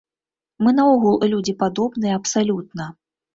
Мы наогул людзі падобныя абсалютна.